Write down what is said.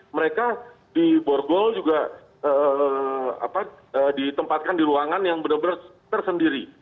mereka di borgol juga ditempatkan di ruangan yang benar benar tersendiri